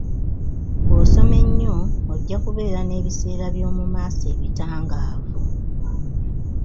Bw'osoma ennyo, ojja kubeera n'ebiseera byomu maaso ebitangaavu.